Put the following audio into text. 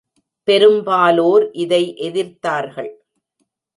பெரும்பாலோர் இதை எதிர்த்தார்கள்.